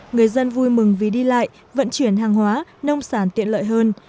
người dân vui mừng vì đi lại vận chuyển hàng hóa nông sản tiện lợi hơn